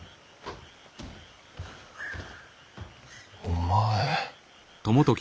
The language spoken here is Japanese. お前。